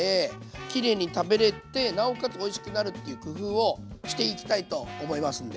キレイに食べれてなおかつおいしくなるっていう工夫をしていきたいと思いますんで。